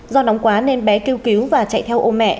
do nóng quá nên bé kêu cứu và chạy theo ô mẹ